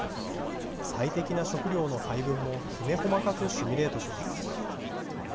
最適な食料の配分もきめ細かくシミュレートします。